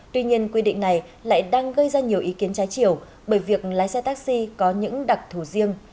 tuy nhiên quy định này lại đang gây ra nhiều ý kiến trái chiều bởi việc lái xe taxi có những đặc thù riêng